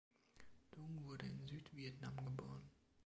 Dung wurde in Süd-Vietnam geboren.